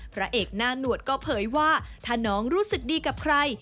พระเอกหน้าหนวดก็เผยว่าถ้าน้องรู้สึกดีกับใคร